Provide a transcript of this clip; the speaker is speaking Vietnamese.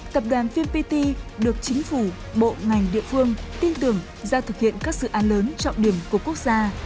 tập đoàn vnpt được chính phủ bộ ngành địa phương tin tưởng ra thực hiện các dự án lớn trọng điểm của quốc gia